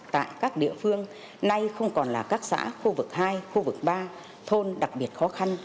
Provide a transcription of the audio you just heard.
tại các địa phương nay không còn là các xã khu vực hai khu vực ba thôn đặc biệt khó khăn